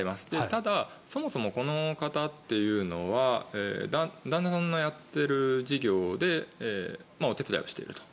ただ、そもそもこの方っていうのは旦那さんのやっている事業でお手伝いをしていると。